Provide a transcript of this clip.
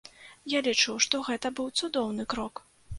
Я лічу, што гэта быў цудоўны крок.